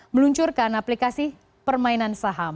meluncurkan aplikasi permainan saham